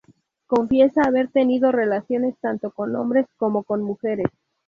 Confiesa haber tenido relaciones tanto con hombres como con mujeres.